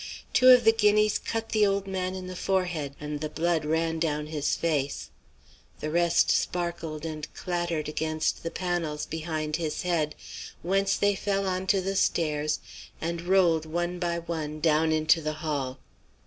Two of the guineas cut the old man in the forehead, and the blood ran down his face; the rest sparkled and clattered against the panels behind his head, whence they fell on to the stairs and rolled one by one down into the hall.